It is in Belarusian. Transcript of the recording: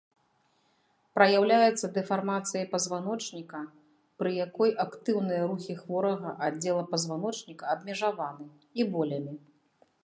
Праяўляецца дэфармацыяй пазваночніка, пры якой актыўныя рухі хворага аддзела пазваночніка абмежаваны, і болямі.